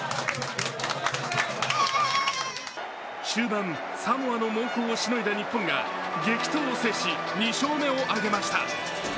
終盤、サモアの猛攻を凌いだ日本が激闘を制し２勝目を挙げました。